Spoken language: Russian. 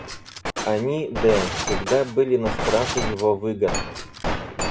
Они-де всегда были на страже его выгод.